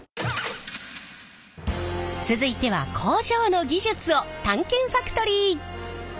続いては工場の技術を探検ファクトリー！